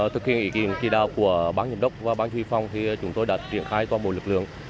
thực hiện ý kiến kỳ đạo của bán nhận đốc và bán truy phong thì chúng tôi đã triển khai toàn bộ lực lượng